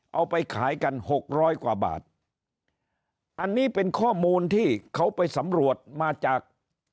เอาไปขายกันหกร้อยกว่าบาทอันนี้เป็นข้อมูลที่เขาไปสำรวจมาจาก